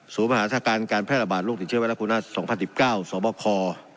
สูงประหลาดศาลการณ์การแพร่ระบาดโรคติดเชื้อไว้ละครุ่นฮาส๒๐๑๙สวบคร